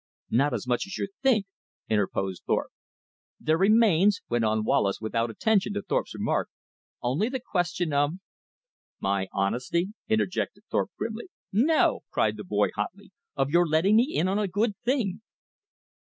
"Not so much as you think," interposed Thorpe. "There remains," went on Wallace without attention to Thorpe's remark, "only the question of " "My honesty," interjected Thorpe grimly. "No!" cried the boy hotly, "of your letting me in on a good thing!"